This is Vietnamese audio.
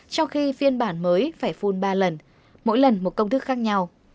trong khi phiên bản mới phải phun ba lần mỗi lần một công thức khác nhau